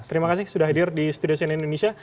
terima kasih sudah hadir di studio cnn indonesia